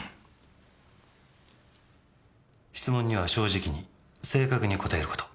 質問には正直に正確に答える事。